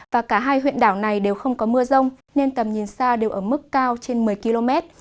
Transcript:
và cả hai huyện đảo này đều không có mưa rông nên tầm nhìn xa đều ở mức cao trên một mươi km